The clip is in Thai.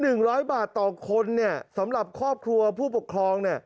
คือ๑๐๐บาทต่อคนสำหรับครอบครัวผู้ปกครอง